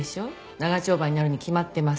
長丁場になるに決まってます。